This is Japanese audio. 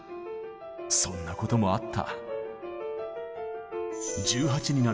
そんなこともあった